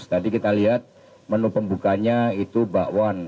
tadi kita lihat menu pembukanya itu bakwan